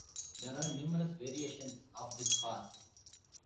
There are numerous variations of this pass.